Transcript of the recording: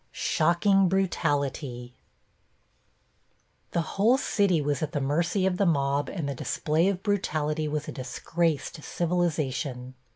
+SHOCKING BRUTALITY+ The whole city was at the mercy of the mob and the display of brutality was a disgrace to civilization.